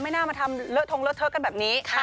ไม่น่ามาทำเลิกทงเลิกเทิกกันแบบนี้